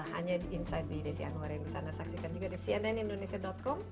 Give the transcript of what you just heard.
hanya di insight with desi anwar yang bisa anda saksikan juga di cnnindonesia com